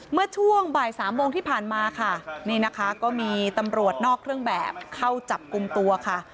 เมื่อช่วงบ่ายสามโมงที่ผ่านมาค่ะนี่นะคะก็มีตำรวจนอกเครื่องแบบเข้าจับกลุ่มตัวค่ะ